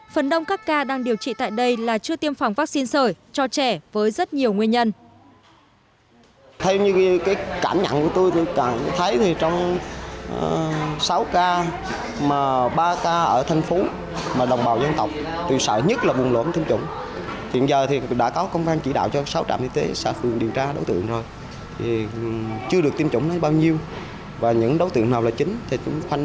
phần đông các ca đang điều trị tại đây là chưa tiêm phòng vaccine sởi cho trẻ với rất nhiều nguyên nhân